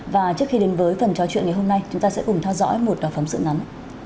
và trước khi đến với phần trò chuyện ngày hôm nay chúng ta sẽ cùng theo dõi một phóng sự ngắn